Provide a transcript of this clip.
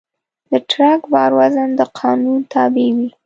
د ټرک بار وزن د قانون تابع وي.